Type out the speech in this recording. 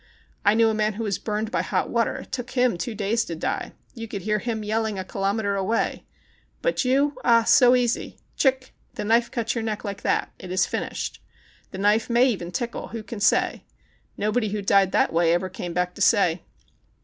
I knew a man who was burned by hot water. It took him two days to die. You could hear him yelling a kilometre away. But you .? Ah ! so easy ! Chck ! ã the knife cuts your neck like that. It is finished. The knife may even tickle. Who can say ? No body who died that way ever came back to say."